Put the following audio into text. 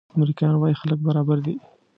امریکایان وايي خلک برابر دي.